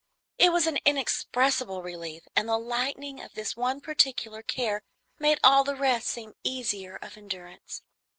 It was an inexpressible relief, and the lightening of this one particular care made all the rest seem easier of endurance.